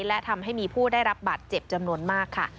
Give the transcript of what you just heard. และทำให้มีผู้ได้รับบัตรเจ็บจำนวนมากค่ะ